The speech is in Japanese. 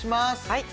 はい